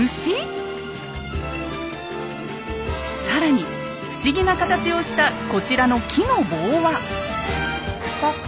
更に不思議な形をしたこちらの木の棒は。